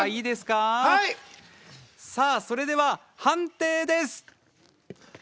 それでは判定です！